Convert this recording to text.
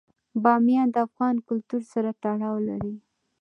بامیان د افغان کلتور سره تړاو لري.